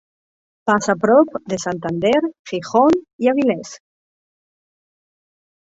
Passa prop de Santander, Gijón i Avilés.